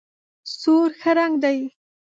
سور ښه رنګ دی.